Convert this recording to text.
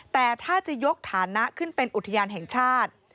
แต่ถ้าจะยกฐานะขึ้นเป็นอุทยานแห่งชาติ